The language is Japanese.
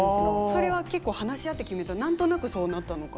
それは結構話し合って決めた何となくそうなったのか。